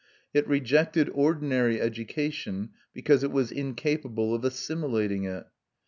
It rejected ordinary education, because it was incapable of assimilating it.